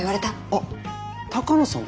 あっ鷹野さんって